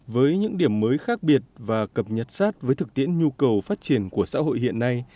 với những điểm mới khác biệt và cập nhật sát với thực tiễn nhu cầu phát triển của xã hội hiện nay